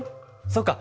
そうか。